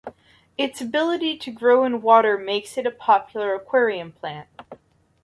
Its ability to grow in water makes it a popular aquarium plant.